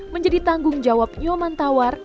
menjadi tanggung jawab nyoman tawar